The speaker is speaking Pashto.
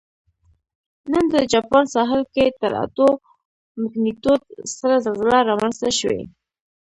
نن د جاپان ساحل کې تر اتو مګنیټیوډ ستره زلزله رامنځته شوې